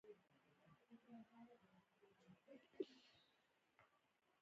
په افغانستان کې د لمریز ځواک د اړتیاوو پوره کولو لپاره اقدامات کېږي.